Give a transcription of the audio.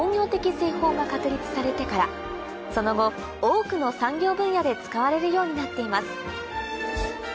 製法が確立されてからその後多くの産業分野で使われるようになっています